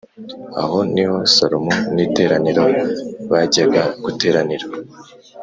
Aho ni ho Salomo n iteraniro bajyaga guteranir